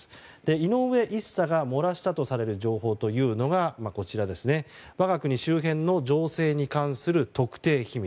井上１佐が漏らしたとされる情報というのが我が国周辺の情勢に関する特定秘密